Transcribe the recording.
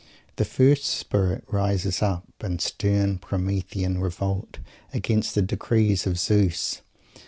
The first spirit rises up in stern Promethean revolt against the decrees of Fate.